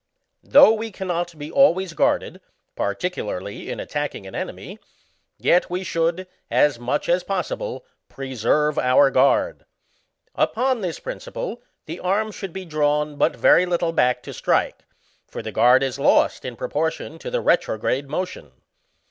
Though we cannot be always guarded, particularly in attacking au enemy, yet we should, as much as pos sible, preserve our guard. Upon this principle, the arm should be drawn but very little back to strike, for the guard is lost in proportion to the retrograde motion.